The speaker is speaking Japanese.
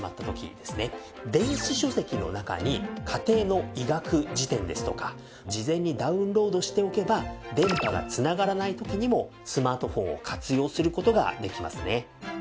電子書籍の中に『家庭の医学事典』ですとか事前にダウンロードしておけば電波が繋がらない時にもスマートフォンを活用する事ができますね。